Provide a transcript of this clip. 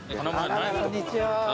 こんにちは。